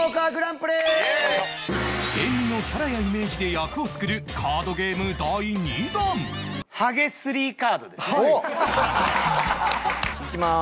芸人のキャラやイメージで役を作るカードゲーム第２弾いきまーす。